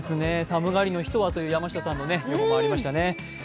寒がりの人はという山下さんからもありましたね。